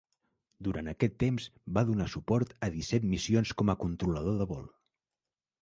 Durant aquest temps, va donar suport a disset missions com a controlador de vol.